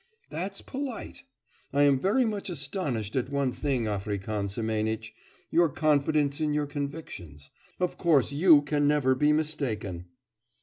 'That's polite! I am very much astonished at one thing, African Semenitch; your confidence in your convictions; of course you can never be mistaken.